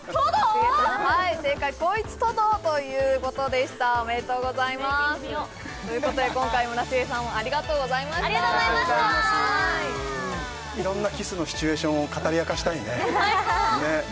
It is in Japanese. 村重さんはい正解「こいつトド？」ということでしたおめでとうございますメイキング見ようということで今回村重さんありがとうございましたありがとうございましたありがとうございました色んなキスのシチュエーションを語り明かしたいね最高ねえ